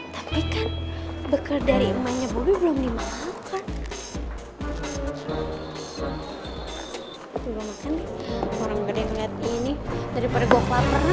tapi kan bekar dari emangnya bobi belum dimakan